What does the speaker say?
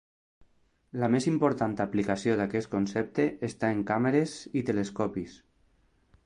La més important aplicació d'aquest concepte està en càmeres i telescopis.